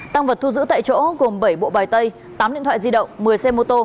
tăng vật thu giữ tại chỗ gồm bảy bộ bài tay tám điện thoại di động một mươi xe mô tô